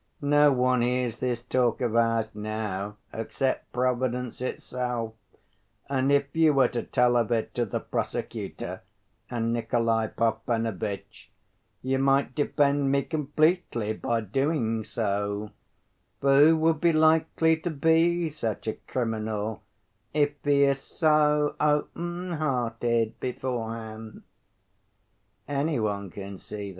No one hears this talk of ours now, except Providence itself, and if you were to tell of it to the prosecutor and Nikolay Parfenovitch you might defend me completely by doing so, for who would be likely to be such a criminal, if he is so open‐hearted beforehand? Any one can see that."